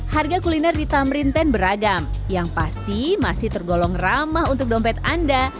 harga kuliner di tamrin ten beragam yang pasti masih tergolong ramah untuk dompet anda